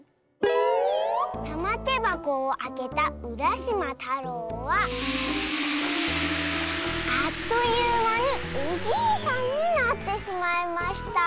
たまてばこをあけたうらしまたろうはあっというまにおじいさんになってしまいました。